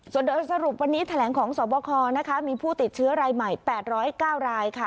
ส่วนโดยสรุปวันนี้แถลงของสวบคนะคะมีผู้ติดเชื้อรายใหม่๘๐๙รายค่ะ